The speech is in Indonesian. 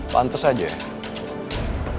pantes aja ya